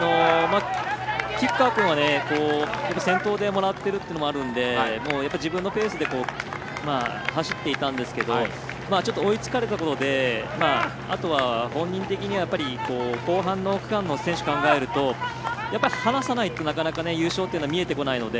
吉川君は先頭でもらっているのもあるので自分のペースで走っていたんですけどちょっと、追いつかれたことであとは本人的には後半の区間の選手を考えると放さないとなかなか優勝というのは見えてこないので。